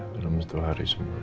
dalam satu hari semua